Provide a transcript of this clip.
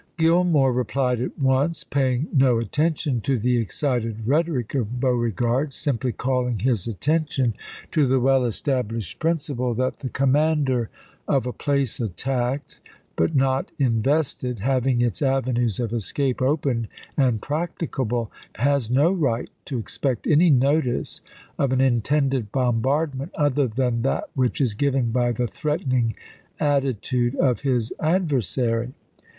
Gillmore replied at once, paying no attention to the excited rhetoric of Beauregard, simply calling his attention " to the well established principle that the commander of a place attacked, but not invested, having its avenues of escape open and practicable, has no right to expect any notice of an intended bombardment other than that which is given by the threatening attitude of his adver ibid., p. 60. sary."